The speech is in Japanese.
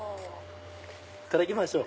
いただきましょう。